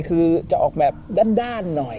คือจะออกแบบด้านหน่อย